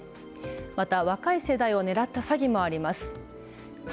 また若い世代を狙った詐欺もあります。